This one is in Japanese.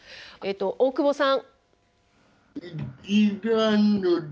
大久保さん。